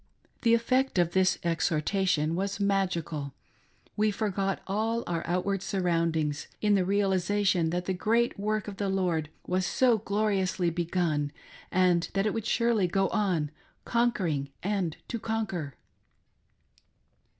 The effect of this exhortation was magical. We forgot all our outward surroundings, in the realisation that the great work of the Lord was so gloriously begun and that it would surely go on, conquering and to conquer.